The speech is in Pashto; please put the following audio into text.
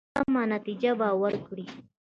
سمه نتیجه به ورکړي.